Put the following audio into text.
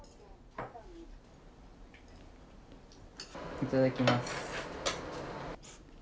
いただきます。